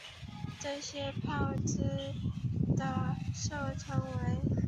这些炮支的射程为。